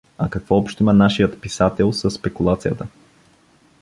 А какво общо има нашият писател със спекулацията?